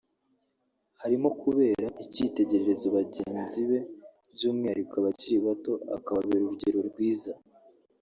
harimo kubera icyitegererezo bagenzi be by’umwihariko abakiri bato akababera urugero rwiza